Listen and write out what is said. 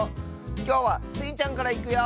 きょうはスイちゃんからいくよ！